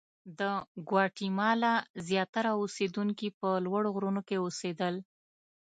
د ګواتیمالا زیاتره اوسېدونکي په لوړو غرونو کې اوسېدل.